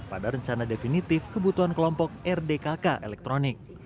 pada rencana definitif kebutuhan kelompok rdkk elektronik